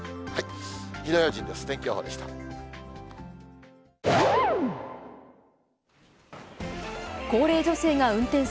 火の用心です。